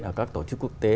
ở các tổ chức quốc tế